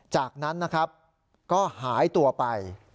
จากนั้นนะครับก็หายตัวไป